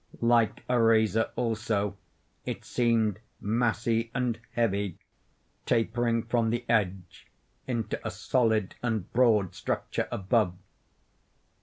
Like a razor also, it seemed massy and heavy, tapering from the edge into a solid and broad structure above.